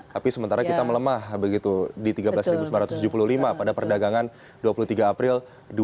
tapi sementara kita melemah begitu di tiga belas sembilan ratus tujuh puluh lima pada perdagangan dua puluh tiga april dua ribu dua puluh